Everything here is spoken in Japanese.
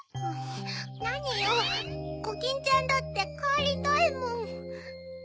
なによコキンちゃんだってかえりたいもん。